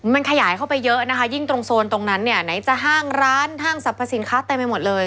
มันขยายเข้าไปเยอะนะคะยิ่งตรงโซนตรงนั้นเนี่ยไหนจะห้างร้านห้างสรรพสินค้าเต็มไปหมดเลย